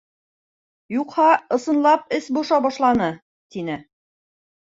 Юҡһа, ысынлап эс боша башланы, -тине.